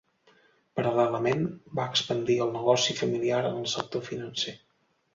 Paral·lelament, va expandir el negoci familiar en el sector financer.